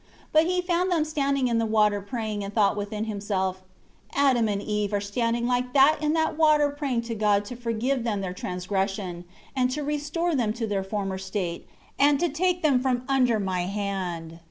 2 But he found them standing in the water praying and thought within himself, "Adam and Eve are standing like that in that water praying to God to forgive them their transgression, and to restore them to their former state, and to take them from under my hand.